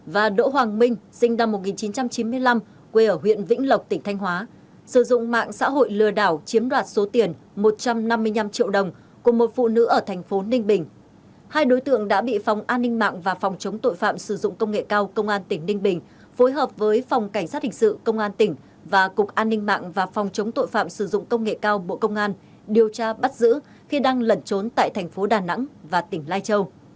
và cục an ninh mạng và phòng chống tội phạm sử dụng công nghệ cao bộ công an điều tra bắt giữ khi đang lẩn trốn tại thành phố đà nẵng và tỉnh lai châu